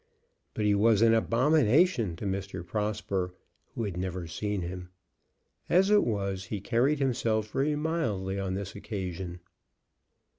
But he was an abomination to Mr. Prosper, who had never seen him. As it was, he carried himself very mildly on this occasion.